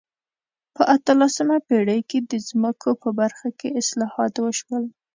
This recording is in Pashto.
په اتلسمه پېړۍ کې د ځمکو په برخه کې اصلاحات وشول.